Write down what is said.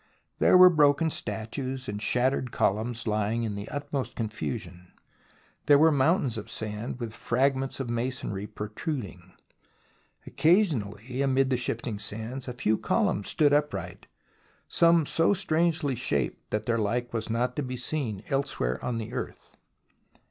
There were broken statues and shattered columns lying in the utmost confusion. There were mountains of sand, with fragments of masonry protruding. Occasion ally, amid the shifting sands, a few columns stood upright, some so strangely shaped that their like was not to be seen elsewhere on earth.